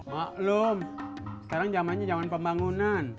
maklum sekarang jamannya jaman pembangunan